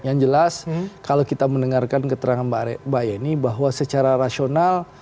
yang jelas kalau kita mendengarkan keterangan mbak yeni bahwa secara rasional